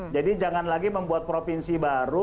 jadi jangan lagi membuat provinsi baru